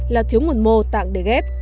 là thiếu nguồn mô tạng để ghép